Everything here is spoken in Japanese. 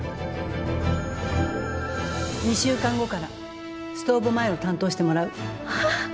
２週間後からストーブ前を担当してもらう。